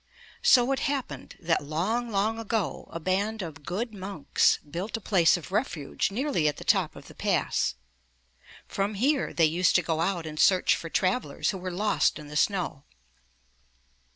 So it happened that long, long ago, a band of good monks built a place of refuge nearly at the top of the Pass. From here they used to go out and search for travelers who were lost in the snow.